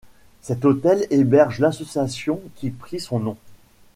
Cet hôtel héberge l'association qui prit son nom.